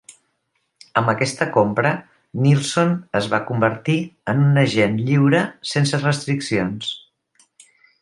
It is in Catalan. Amb aquesta compra, Nilsson es va convertir en un agent lliure sense restriccions.